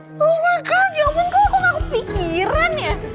oh my god ya allah kok gak kepikiran ya